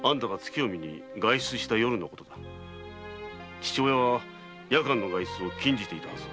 父親は夜間の外出を禁じていたはずだ。